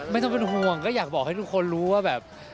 ไม่ต้องเป็นห่วงก็อยากบอกให้ทุกคนรู้ว่าแบบ